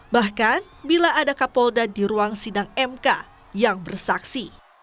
bahkan bila ada kapolda di ruang sidang mk yang bersaksi